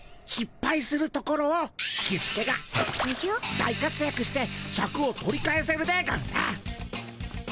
大かつやくしてシャクを取り返せるでゴンス。